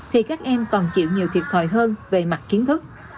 thì các em còn chịu nhiều thiệt thòi hơn về mặt kiến thức